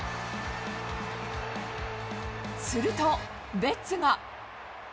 すると、ベッツが。